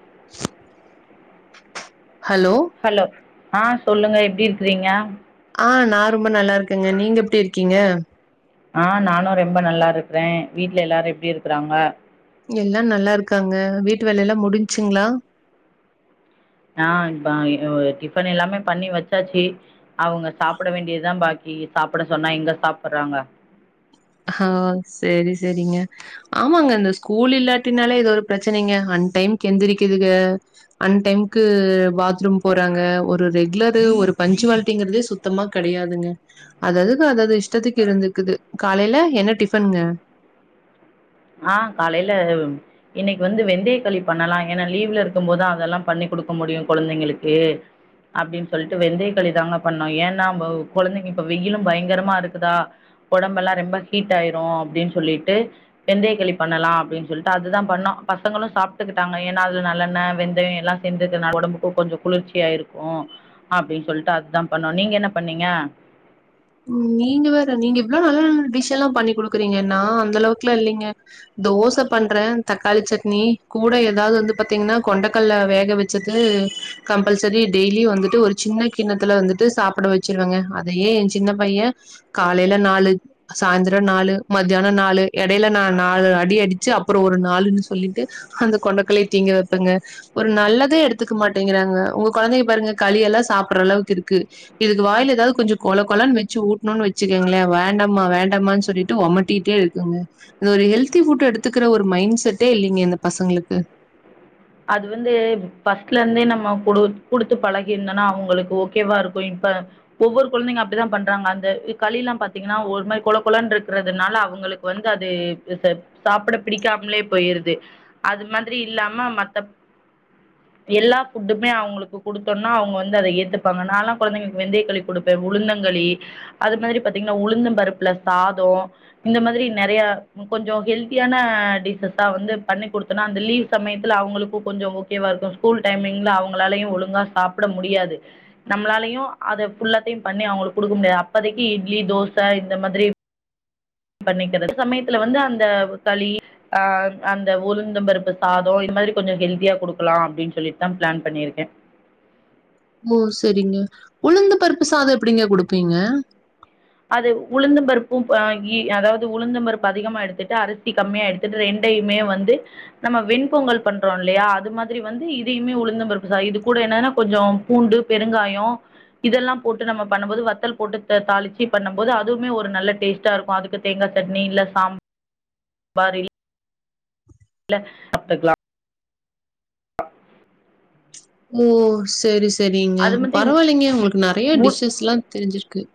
[inaudible] Hello ஆஹ் சொல்லுங்க எப்டி இருக்கிறீங்க ஆஹ் நா ரொம்ப நல்லா இருக்கேங்க நீங்க எப்டி இருக்கீங்க ஆஹ் நானும் ரொம்ப நல்லா இருக்குறேன் வீட்ல எல்லாரும எப்டி இருக்கறாங்க எல்லா நல்லா இருக்காங்க வீட்டு வேல எல்லாம் முடிஞ்ச்சுங்களா ஆஹ் ப ஆ டிஃபன் எல்லாமே பண்ணி வச்சாச்சு அவங்க சாப்பட வேண்டியதுதா பாக்கி சாப்ட சொன்னா எங்க சாப்பட்றாங்க ஆஹ் செரி செரிங்க ஆமாங்க இந்த ஸ்கூல் இல்லாட்டினாலே இது ஒரு பிரச்சனைங்க அன் டைம்க்கு எந்திரிக்குதுங்க அன் டைமுக்கு பாத்ரூம் போறாங்க ஒரு ரெகுலரு ஒரு பஞ்சுவாலிட்டிங்கறதே சுத்தமா கெடையாதுங்க அதுஅதுக்கு அததது இஷ்டத்துக்கு இருந்துக்குது காலைல என்ன டிஃபனுங்க ஆஹ் காலைல இன்னைக்கி வந்து வெந்தயக்களி பண்ணலா ஏன்னா லீவுல இருக்கும் போதுதா அதெல்லா பண்ணி குடுக்க முடியும் கொழந்தைங்களுக்கு அப்டின்னு சொல்ட்டு வெந்தயக்களிதாங்க பண்ணோ ஏன்னா கொழந்தைங்க இப்ப வெயிலு பயங்கரமா இருக்குதா ஒடம்பு எல்லா ரொம்ப ஹீட் ஆயிரு அப்டின்னு சொல்லிட்டு வெந்தயக்களி பண்ணலா அப்டின்னு சொல்ட்டு அதுதா பண்ணோம் பசங்களும் சாப்பிட்டுக்கிட்டாங்க ஏன்னா அதுல நல்லெண்ண வெந்தயோ எல்லா சேந்து இருக்கறனால ஒடம்புக்கும் கொஞ்சம் குளிர்ச்சியா இருக்கும் அப்டின்னு சொல்ட்டு அதான் பண்ணோம் நீங்க என்ன பண்ணீங்க நீங்க வேற நீங்க இவ்ளோ நல்ல நல்ல டிஷ் எல்லாம் பண்ணி குடுக்குறீங்க நா அந்த அளவுக்கல்லா இல்லைங்க தோசை பண்றே தக்காளி சட்னி கூட ஏதாவது வந்து பாத்தீங்கன்னா கொண்டைக்கல்ல வேக வச்சது கம்பல்சரி டெய்லி வந்துட்டு ஒரு சின்ன கிண்ணத்துல வந்துட்டு சாப்பிட வச்சிருவங்க அதையே சின்னப் பைய காலைல நாலு சாயந்திர நாலு மத்தியானம் நாலு எடையில நா நாலு அடி அடிச்சு அப்புறோ ஒரு நாலுன்னு சொல்லிட்டு அந்த கொண்டைக்கல்லய திங்க வைப்பேங்க ஒரு நல்லதே எடுத்துக்க மாட்டேங்கிறாங்க உங்க கொழந்தைய பாருங்க களி எல்லாம் சாப்பட்ற அளவுக்கு இருக்கு இதுக்கு வாயில ஏதாவது கொஞ்ச கொல கொழன்னு வச்சு ஊட்னோன்னு வச்சுக்கங்களே வேண்டாம்மா வேண்டாம்மானு சொல்லிட்டு ஒமட்டிட்டே இருக்குங்க இந்த ஒரு ஹெல்தி ஃபுட்ட எடுத்துக்கிற ஒரு மைண்ட செட்டே இல்லிங்க இந்த பசங்களுக்கு அது வந்து ஃபஸ்ட்ல இருந்தே நம்ம குடு குடுத்து பழகியிருந்தோன்னா அவங்களுக்கு ஓகேவா இருக்கும் இப்ப ஒவ்வொரு கொழந்தைங்க அப்டிதா பண்றாங்க அந்த களி எல்லாம் பாத்தீங்கன்னா ஒரு மாரி கொழகொழன்னு இருக்கிறதுனால அவங்களுக்கு வந்து அது ஆ சாப்ட பிடிக்காமலே போயிருது அது மாதிரி இல்லாம மத் எல்லா ஃபுட்டுமே அவங்களுக்கு குடுத்தோம்னா அவுங்க வந்து அத ஏத்துப்பாங்க நான்லா கொழந்தைங்களுக்கு வெந்தயக்களி கொடுப்பே உளுந்தங்களி அது மாரி பாத்தீங்கன்னா உளுந்தம் பருப்புல சாதோ இந்த மாதிரி நெறைய கொஞ்சம் ஹெல்த்தியான டிஷ்ஸஸா வந்து பண்ணி கொடுத்தோம்னா அந்த லீவ் சமயத்துல அவங்களுக் ப்ப கொஞ்ச ஓகேவா இருக்கும் ஸ்கூல் டைமிங்ல அவங்களாலையும் ஒழுங்கா சாப்ட முடியாது நம்மளாலையும் அத ஃபுல்லாத்தையும் பண்ணி அவங்களுக்கு குடுக்க முடியாது அப்போதைக்கு இட்லி தோசை இந்த மாதிரி பண்ணிக்கிறது சமயத்துல வந்து அந்த களி அஹ் அந்த உளுந்தம் பருப்பு சாதோ இந்த மாரி கொஞ்சம் ஹெல்தியா குடுக்கலாம் அப்டின்னு சொல்லிட்டுதா பிளான் பண்ணிருக்கே ஓ சரிங்க உளுந்தம் பருப்பு சாதோ எப்படிங்க குடுப்பீங்க அது உளுந்து பருப்பும் ஆ இ அதாவது உளுந்தப் பருப்பு அதிகமா எடுத்துட்டு அரிசி கம்மியா எடுத்துட்டு ரெண்டயுமே வந்து நம்ம வெண்பொங்கல் பண்றோ இல்லையா அது மாதிரி வந்து இதையுமே உளுந்தம் பருப்பு சாதோ இது கூட என்னன்னா கொஞ்சோ பூண்டு பெருங்காயோ இதெல்லா போட்டு நம்ம பண்ணும்போது வத்தல் போட்டு த தாளிச் [unintelligible] பண்ணும் போது அதுவுமே ஒரு நல்ல டேஸ்ட்டா இருக்கு அதுக்கு தேங்கா சட்னி இல்ல சாம் பார் இல்ல சாப்டுக்லா ஓ செரி செ செரிங்க அது மாதிரி பரவாயில்லைங்க உங்களுக்கு நெறைய உ டிஷ்ஸஸ்லாம் தெரிஞ்சுருக்கு க்கு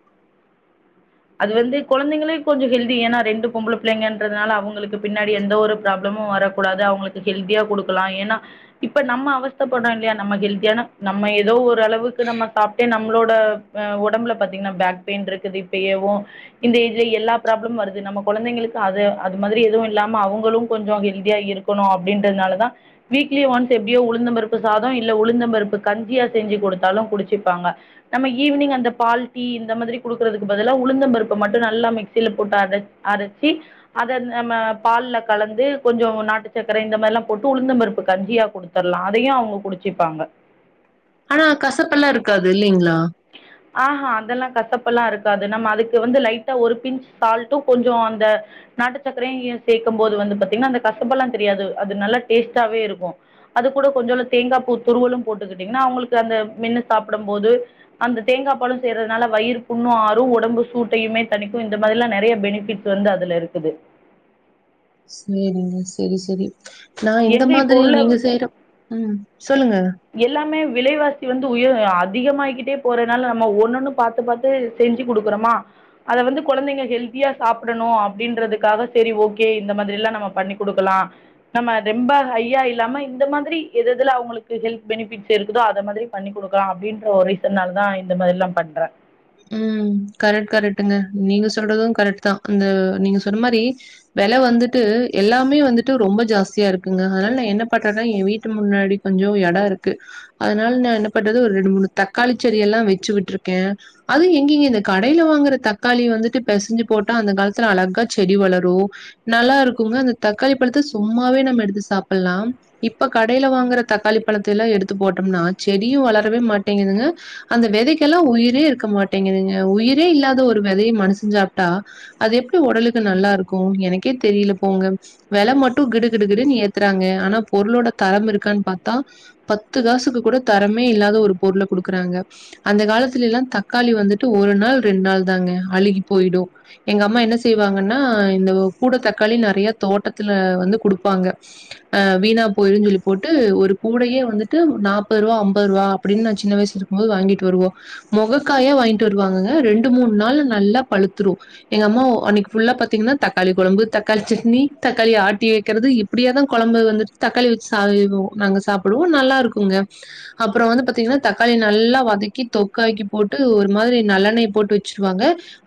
அது வந்து கொழந்தைங்களே கொஞ்ச ஹெல்தி ஏன்னா ரெண்டு பொம்பள பிள்ளைங்கன்றதுனால அவங்களுக்கு பின்னாடி எந்த ஒரு ப்ராப்ளமு வரக்கூடாது அவங்களுக்கு ஹெல்தியா குடுக்கலா ஏன்னா இப்ப நம்ம அவஸ்தப்படுறோ இல்லையா நம்ம ஹெல்தியானா நம்ம ஏதோ ஒரு அளவுக்கு நம்ம சாப்ட்டே நம்மளோட அஹ் ஒடம்புல பாத்திங்கன்னா பேக் பெயின் இருக்குது செய்யவு இந்த ஏஜ்ல எல்லா ப்ராப்ளமு வருது நம்ம கொழந்தைங்களுக்கு அது அது மாதிரி எதுவும் இல்லாம அவங்களும் கொஞ்சம் ஹெல்தியா இருக்கணு அப்டின்றதுனாலதான வீக்லி ஒன்ஸ் எப்டியோ உளுந்தம்பருப்பு சாதோ இல்ல உளுந்தம் பருப்பு கஞ்சியா செஞ்சு குடுத்தாலு குடிச்சிப்பாங்க நம்ம ஈவினிங் அந்த பால் டீ இந்த மாதிரி குடுக்கறதுக் க்கு பதிலா உளுந்தம்பருப்ப மட்டு நல்லா மிக்சியில போட்டு அரைச் அரைச்சி அதை நம்ம பால்ல கலந்து கொஞ்சோ நாட்டுச் சக்கரை இந்த மாரி எல்லாம் போட்டு உளுந்தம்பருப்பு கஞ்சியா குடுத்தரலாம் அதையு அவங்க குடிச்சுப்பாங்க ஆனா கசப்பெல்லா இருக்காது இல்லைங்களா ஆஹ்ஹா அதெல்லா கசப்பல்லா இருக்காது நம்ம அதுக்கு வந்து லைட்டா ஒரு பின்ச் சால்ட்டும் கொஞ்சோ அந்த நாட்டு சக்கரையும் சேக்கும் போது வந்து பாத்தீங்கன்னா அந்த கசப்பல்லா தெரியாது அது நல்லா டேஸ்ட்டாவே இருக்கும் அது கூட கொஞ்சோண்டு தேங்கா பூ துருவலும் போட்டுக்கிட்டீங்கன்னா அவங்களுக்கு அந்த மெண்ணு சாப்பிடும் போது அந்த தேங்காப் பாலும் சேர்றதுனால வயிறு புண்ணும் ஆறும் ஒடம்பு சூட்டையுமே தணிக்கும் இந்த மாதிரிலா நெறைய பெனிஃபிட்ஸ் வந்து அதுல இருக்குது சேரிங்க செரி செரி நான் இந்த எங்க இப்போ மாதிரி உள்ள நீங்க செய்யற உம் சொல்லுங்க எல்லாமே விலைவாசி வந்து உயர் அதிகமாயிக்கிட்டே போறதுனால நம்ம ஒண்ணுன்னு பாத்து பாத்து செஞ்சு குடுக்குறோமா அத வந்து கொழந்தைங்க ஹெல்தியா சாப்பிடணு அப்டின்றதுக்காக செரி ஓகே இந்த மாதிரி எல்லா நம்ம பண்ணி் குடுக்கலா நம்ம ரொம்ப ஹைய்யா இல்லாம இந்த மாதிரி எத எதுல அவங்களுக்கு ஹெல்த் பெனிஃபிட்ஸ் இருக்குதோ அத மாதிரி பண்ணி குடுக்கலா அப்படின்ற ஒரு ரீசனாலதா இந்த மாரி எல்லாம் பண்றே உம் கரெக்ட் கரெக்ட்டுங்க நீங்க சொல்றதும் கரெக்ட்தா அந்த நீங்க சொன்ன மாரி வெலை வந்துட்டு எல்லாமே வந்துட்டு ரொம்ப ஜாஸ்தியா இருக்குங்க அதனால நா என்ன பண்றன்னா ஏன் வீட்டு முன்னாடி கொஞ்சோ எடோ இருக்கு அதனால நான் என்ன பண்றது ஒரு ரெண்டு மூணு தக்காளி செடிய எல்லாம் வச்சு விட்ருக்கே அது எங்கீங்க இந்த கடையில வாங்குற தக்காளி வந்துட்டு பெசஞ்சு போட்டா அந்த காலத்துல அழகா செடி வளரு நல்லா இருக்குங்க அந்த தக்காளி பழத்த சும்மாவே நம்ம எடுத்து சாப்பிட்லாம் இப்ப கடையில வாங்கற தக்காளி பழத்த எல்லாம் எடுத்து போட்டோம்னா செடியும் வளரவே மாட்டேங்குதுங்க அந்த வெதைக்கெல்லா உயிரே இருக் க்க மாட்டேங்குதுங்க உயிரே இல்லாத ஒரு வெதைய மனுசஞ் சாப்ட்டா அது எப்டி ஒடலுக்கு நல்லா இருக்கும் எனக்கே தெரியல போங்க வெல மட்டு கிடுகிடுகிடுன்னு ஏத்துறாங்க ஆனா பொருளோட தரம் இருக்கான்னு பாத்தா பத்து காசுக்கு கூட தரமே இல்லாத ஒரு பொருளை குடுக்குறாங்க அந்த காலத்துல எல்லாம் தக் தக்காளி வந்துட்டு ஒரு நாள் ரெண்டு நாள் தாங்க அழுகி போயிடு எங்க அம்மா என்ன செய்வாங்கன்னா இந்த கூட தக்காளி நெறைய தோட்டத்துல வந்து குடுப்பாங்க அஹ் வீணா போயிருன்னு சொல்லிப் போட்டு ஒரு கூடையே வந்துட்டு நாப்பது ரூபா அம்பது ரூபா அப்படின்னு நா சின்ன வயசுல இருக்கும் போது வாங்கிட்டு வருவோ மொக க்காயா வாங்கிட்டு வருவாங்கங்க ரெண்டு மூணு நால்ல நல்லா பழுத்துரும் எங்க அம்மா அன்னைக்கு புல்லா பாத்தீங்கன்னா தக்காளி குழம்பு தக்காளி சட்னி தக்காளி ஆட்டி வைக்கறிது இப்படியே தான் குழம்பு வந்துட்டு தக்காளி வச்சு செய்வோம் நாங்க சாப்பிடுவோம் நல்லா இருக்குங்க அப்புறம் வந்து பா்த்தீங்கன்னா தக்காளி நல்லா வதக்கி தொக்காகி போட்டு ஒரு மாதிரி நல்லெண்ணெய் போட்டு வச்சிருவாங்க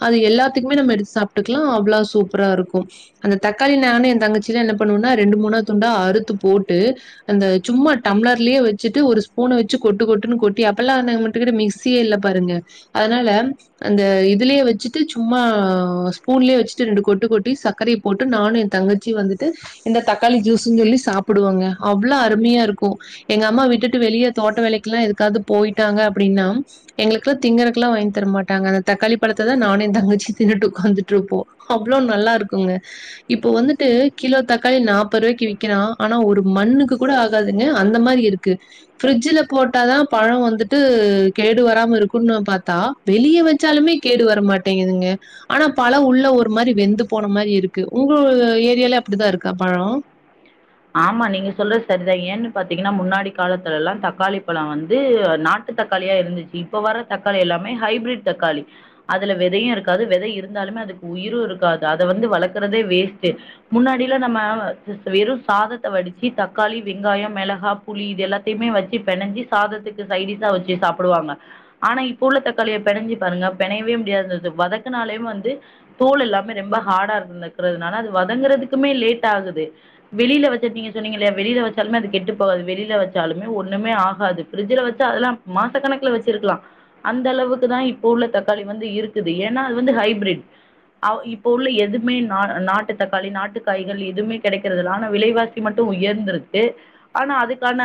அது எல்லாத்துக்குமே நம்ம எடுத்து சாப்பிட்டுக்கலாம் அவ்வளவு சூப்பரா இருக்கும் அந்த தக்காளி நன்ன என் தங்கச்சியிலாம் என்ன பண்ணுவும்னா ரெண்டு மூணா துண்டா அறுத்து போட்டு அந்த சும்மா டம்ளர்லேயே வச்சுட்டு ஒரு ஸ்பூனை வச்சு கொட்டு கொட்டுன்னு கொட்டி அப்பெல்லாம் அ கிட்ட மிக்சிய இல்ல பாருங்க அதனால அந்த இதுலயே வச்சுட்டு சும்மா ஸ்பூன்லயே வச்சுட்டு ரெண்டு கொட்டு கொட்டி சக்கரைய போட்டு நானும் என் தங்கச்சி வந்துட்டு இந்த தக்காளி ஜூஸ்ன்னு சொல்லி சாப்பிடுவாங்க அவ்வளவு அருமையா இருக்கும் எங்க அம்மா விட்டுட்டு வெளியே தோட்ட வேலைக்கெ எல்லாம் எதுக்காவது போயிட்டாங்க அப்டின்னா எங்களுக்குல்லாம் திங்கரக்கெல்லாம் வாங்கி தரமாட்டாங்க அந்த தக்காளி பழத்தை தான் நானும் என் தங்கச்சியும் தின்னுட்டு உக்காந்துட்டு இருப்போம் அவ்ளோ நல்லா இருக்குங்க இப்போ வந்துட்டு கிலோ தக்காளி நாற்பது ரூபாய்க்கு விக்கரான் ஆனா ஒரு மண்ணுக்கு கூட ஆகாதுங்க அந்த மாரி இருக்கு ஃப்ரிட்ஜ்ஜில போட்டாதான் பழம் வந்துட்டு கெ டு வராம இருக்குன்னு பார்த்தா வெளியே வச்சாலுமே கேடு வர மாட்டேங்குதுங்க ஆனா பல உள்ள ஒரு மாரி வெந்து போன மாரி இருக்கு உங்க ஏரியால அப்படித்தான் இருக்கா பழம் ஆமா நீங்க சொல்ற சரிதான் ஏன்னு பாத்தீங்கன்னா முன்னாடி காலத்துல எல்லாம் தக்காளி பழம் வந்துஹ நாட்டு தக்காளியா இருந்துச்சு இப்ப வர் தக்காளி எல்லாமே ஹைப்ிரிட் தக்காளி அதுல விதையும் இருக்காது விதை இருந்தாலுமே அதுக்கு உயிரும் இருக்காது அதை வந்து வளர்க்குறதே வேஸ்ட்ட் முன்னாடியில நம்ம வெறும் சாதத்த வடிச்சி தக்காளி வெங்காயம் மிளகாய் புளி இது எல்லாத்தையுமே வச்சு பிணைஞ்சி சாதத்துக்கு சைடிஸா வச்சு சாப்பிடுவாங்க ஆனா இப்போ உள்ள தக்காளிய பெணஞ்சி பாருங்க பெணையவே முடியா இருந்தது வதக்கனாலே வந்து தோள் எல்லாமே ரொம்ப ஹார்டா இருந்தக்கிறதுனால அது வதங்கறதுக்குமே லேட் ஆகுது வெளில வச்சுட்டீங்க சொன்னீங்கலையா வெளியில வச்சாலுமே அது கெட்டு போகாது வெளியில வச்சாலுமே ஒண்ணுமே ஆகாது ஃப்ரிட்ஜ்ஜில வச்சா அதெல்லாம் மாசக்கணக்கல வச்சிருக்கலாம் அந்த அளவுக்கு தான் இப்போ உள்ள தக்காளி வந்து இருக்குது ஏன்னா அது வந்து ஹைப்ரிட் அ இப்போ உள்ள எதுவுமே நா நாட்டு தக்காளி நாட்டுக்காய்கள் எதுமே கிடைக்கறதில்ல விலைவாசி மட்டும் உயர்ந்திருக்கு ஆனா அதுக்கான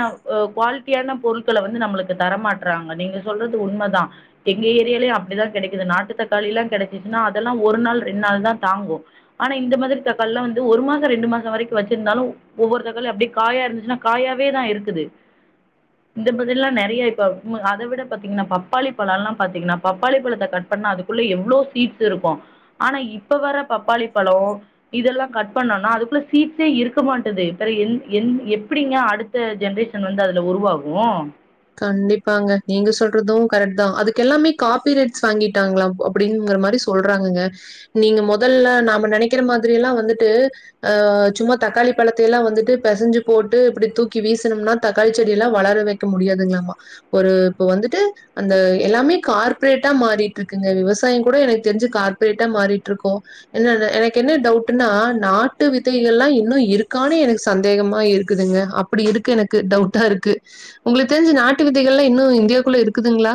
குவாலிட்டியான பொருட்களை வந்து நம்ளுக்கு தர மாட்ராங்க நீங்க சொல்றது உண்மதான் எங்க ஏரியாலயும் அப்டிதான் கெடைக்குது நாட்டு தக்களிலாம் கெடசிசினா அதெல்லாம் ஒரு நாள் ரெண்ட் நாள் தான் தாங்கும் ஆனா இந்த மாதிரி தக்காளிலாம் வந்து ஒரு மாசம் ரெண்டு மாசம் வரைக்கும் வச்சி ல ஒவ்வொரு தக்காளி அப்படியே காயா இருந்துச்சுன்னா காயாவே தான் இருக்குது இந்த மாதிரல்லாம் நிறைய இப்ப அத விட பாத்தீங்கன்னா பப்பாளி பழம்ல்லாம் பாத்திங்கன்னா பப்பாளி பழத்தை கட் பண்ணா அதுக்குள்ள எவ்ளோ சீட்ஸ் இருக்கும் ஆனா இப்ப வர பப்பாளி பழம் இதெல்லாம் கட் பண்ணனா அதுக்குள்ள சீட் [unintelligible] இருக்க மாட்டது பிற என் என் எப்டிங்க அடுத்த ஜென்ரேஷன் வந்து அதுல உருவாகும் கண்டிப்பாங்க நீங்க சொல்றதும் கரெக்ட் தான் அதுக்கெல்லாமே காபிரைட்ஸ் வாங்கிட்டாங்களாம் அப்டிங்கற மாரி சொல்றாங்கங்க நீங்க மொதல்ல நாம நனைக்கிற மாரிலாம் வந்துட்டு ஆஹ் சும்மா தக்காளி பழத்தல்லாம் வந்துட்டு பசஞ்சு போட்டு இப்டி தூக்கி வீசனும்னா தக்காளி செடி எல்லாம் வளர வைக்க முடியாது [unintelligible] ஒரு இப்ப வந்துட்டு அந்த எல்லாமே கார்பரேட்டா மாறிட்டு இருக்குங்க விவசாயம் கூட எனக்கு தெரிஞ்சு கார்ப்பரேட்டா மாறிட்டு இருக்கும் என்ன எனக்கு என்ன டவுட்னா நாட்டு விதைகள் எல்லாம் இன்னும் இருக்கானனு எனக்கு சந்தேகமா இருக்குதுங்க அப்படி இருக்கு எனக்கு டவுட்டா இருக்கு உங்களுக் தெரிஞ்சி நாட்டு விதைகள்ல்லாம் இன்னும் இந்தியாக்குள்ள இருக்குதுங்களா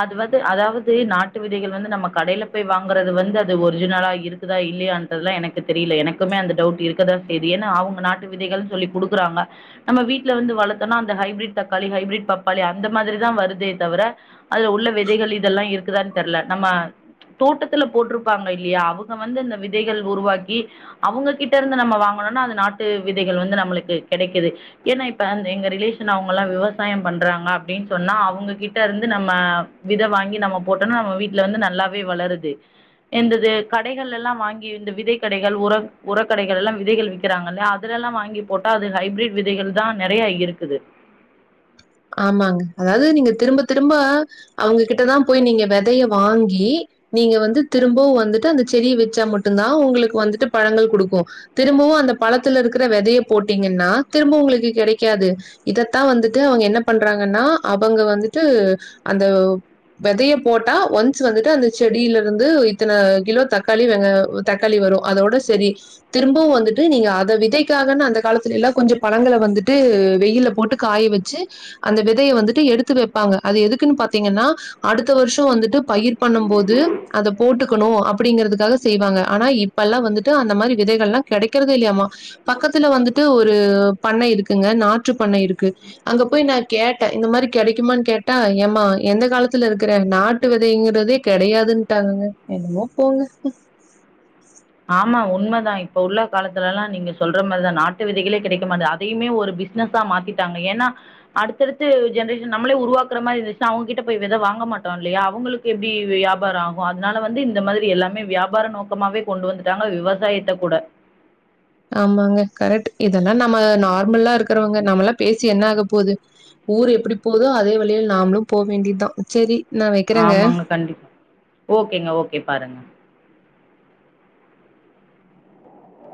அது வது அதாவது நாட்டு விதைகள் வந்து நம்ம கடையில போய் வாங்கறது வந்து அது ஒரிஜினலா இருக்குதா இல்லையான்ன்றதுல்லாம் எனக்கு தெரில எனக்குமே அந்த டவுட் இருக்குதா செய்து ஏன்னா அவங்க நாட்டு விதைகள்ன்னு சொல்லி குடுக்குறாங்க நம்ம வீட்டுல வந்து வளர்த்தோனா அந்த ஹைபிரிட் தக்காளி ஹைபிரிட் பப்பாளி அந்த மாதிரிதான் வருதே தவிர அதுல உள்ள விதைகள் இதெல்லாம் இருக்குதான்னு தெரில நம்ம தோட்டத்துல போட்டிருப்பாங்க இல்லையா அவங்க வந்து இந்த விதைகள் உருவாக்கி அவங்ககிட்ட இருந்து நம்ம வாங்கணும்னா அது நாட்டு விதைகள் வந்து நம்மளுக்கு கிடைக்குது ஏன்னா இப்ப அந்த எங்க ரிலேஷன் அவங்க எல்லாம் விவசாயம் பண்றாங்க அப்டின்னு சொன்னா அவங்ககிட்ட இருந்து நம்ம நம்ம விதை வாங்கி நம்ம போட்டோம்னா நம்ம வீட்ல வந்து நல்லாவே வளருது எந்தது கடைகள் எல்லாம் வாங்கி இந்த விதை கடைகள் உர உரக் கடைகள் எல்லாம் விதைகள் விறக்கிறாங்கல்ல அதுல எல்லாம் வாங்கி போட்டா அது ஹைப்ரட் விதைகள் தான் நிறைய இருக்குது ஆமாங்க அதாவது நீங்க திரும்ப திரும்ப அவங்ககிட்டதான் போய் நீங்க வெதய வாங்கி நீங்க வந்து திரும்பவும் வந்துட்டு அந்த செடிய வச்சா மட்டும்தான் உங்களுக்கு வந்துட்டு பழங்கள் கொடுக்கும் திரும்பவும் அந்த பழத்துல இருக்கிற விதைய போட்டீங்கன்னா திரும்பவும் உங்களுக்கு கிடைக்காது இதத்தான் வந்துட்டு அவங்க என்ன பண்றாங்கன்னா அவங்க வந்துட்டு அந்த வெதைய போட்டா ஒன்ஸ் வந்துட்டு அந்த செடியில இருந்து இத்தன கிலோ தக்காளி வெங்க தக்காளி வரும் அதோட சரி திரும்பவும் வந்துட்டு நீங்க அத விதைக்காகன்ன அந்த காலத்துல எல்லாம் கொஞ்சம் பழங்களை வந்துட்டு வெயில போட்டு காய வச்சு அந்த விதைய வந்துட்டு எடுத்து வைப்பாங்க அது எதுக்குன்னு பாத்தீங்கன்னா அடுத்த வருஷம் வந்துட்டு பயிர் பண்ணும் போது அதை போட்டுக்கணும் அப்படிங்கிறதுக்காக செய்வாங்க ஆனா இப்பெல்லாம் வந்துட்டு அந்த மாரி விதைகள்ல்லாம் கிடைக்கறதே இல்லையாமா பக்கத்துல வந்துட்டு ஒரு பண்ணை இருக்குங்க நாற்று பண்ணை இருக்கு அங்க போய் ந கேட்டேன் இந்த மாரி கிடைக்குமான்னு கேட்டா ஏமா எந்த காலத்துல இருக்கிறேன் நாட்டு விதைங்கிறதே கிடையாதுட்டாங்கங்க என்னமோ போங்க ஆமா உண்மதான் இப்ப உள்ள காலத்துல எல்லாம் நீங்க சொல்ற மாரிதான் நாட்டு விதைகளே கிடைக்க மாட்டிது அதையுமே ஒரு பிசினஸா மாத்திட்டாங்க ஏன்னா அடுத்தடு ஜென்ரேஷன் நம்மளே உருவாக்குற மாரி இருந்துச்ன்னா அவங்ககிட்ட போய் விதை வாங்க மாட்டோம் இல்லையா அவங்களுக்கு எப்படி வியாபாரம் ஆகும் அதனால வந்து இந்த மாரி எல்லாமே வியாபார நோக்கமாவே கொண்டு வந்துட்டாங்க விவசாயத்தை கூட ஆமாங்க கரெக்ட் இதெல்லாம் மா நார்மலா இருக்கு இருக்கிறவங்க நம்மல்லாம் பேசி என்ன ஆக போது ஊர் எப்படி போதுஅதே வழியில் நாமளும் போ வேண்டியதான் சரி நான் வைக்கிறேங்க. ஆமாங்க கண்டிப்பா ஓகேங்க ஓகே பாருங்க